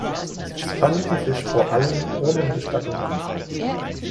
Es fanden sich vor allem Urnenbestattungen.